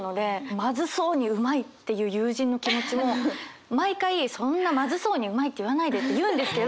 まずそうに「うまい！」って言う友人の気持ちも毎回「そんなまずそうに『うまい！』って言わないで」って言うんですけど。